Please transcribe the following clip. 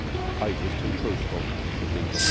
"I was too truthful," said Beetle.